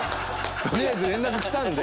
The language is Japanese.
とりあえず連絡来たんで。